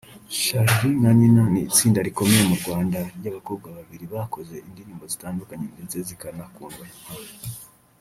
Charly na Nina ni itsinda rikomeye mu Rwanda ry’abakobwa babiri bakoze indirimbo zitandukanye ndetse zikanakundwa nka